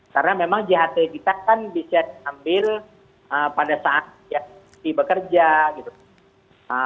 karena memang jht kita kan bisa diambil pada saat dia bekerja gitu